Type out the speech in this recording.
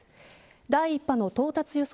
第１波の到達予想